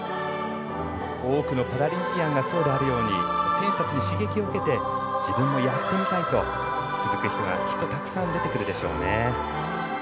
多くのパラリンピアンがそうであるように選手たちに刺激を受けて自分もやってみたいと続く人が、きっとたくさん出てくるでしょうね。